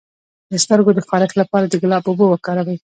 د سترګو د خارښ لپاره د ګلاب اوبه وکاروئ